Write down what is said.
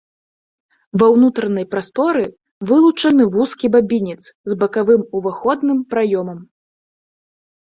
Ва ўнутранай прасторы вылучаны вузкі бабінец з бакавым уваходным праёмам.